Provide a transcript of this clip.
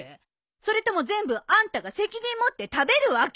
それとも全部あんたが責任持って食べるわけ？